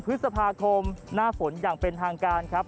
พฤษภาคมหน้าฝนอย่างเป็นทางการครับ